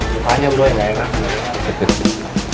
lupa aja bro ya nggak enak